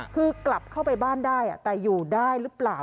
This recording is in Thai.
คือกลับเข้าไปบ้านได้แต่อยู่ได้หรือเปล่า